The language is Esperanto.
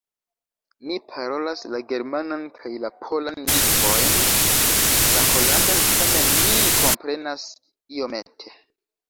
Mi parolas la germanan kaj la polan lingvojn; la holandan tamen mi komprenas iomete.